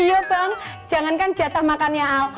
yuk bang jangankan jatah makannya al